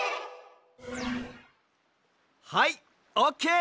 はいオッケー！